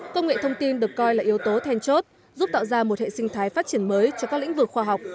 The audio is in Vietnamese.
công nghệ thông tin được coi là yếu tố then chốt giúp tạo ra một hệ sinh thái phát triển mới cho các lĩnh vực khoa học